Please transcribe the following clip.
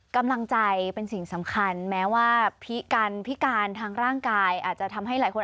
กำลังใจเป็นสิ่งสำคัญแม้ว่าพิการพิการทางร่างกายอาจจะทำให้หลายคน